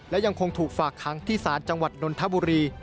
และยังคงถูกฝากค้างที่ศาลจังหวัดนนทบุรี